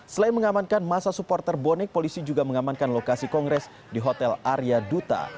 selain mengamankan masa supporter bonek polisi juga mengamankan lokasi kongres di hotel arya duta